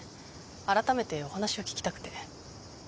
あらためてお話を聞きたくて。